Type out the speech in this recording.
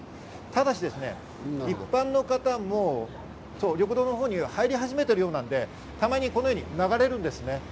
ただし、一般の方も緑道のほうには入り始めているようなので、たまにこのように流れます。